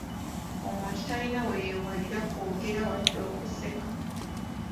Omuntu talina we yeewalira kwogera wadde okuseka.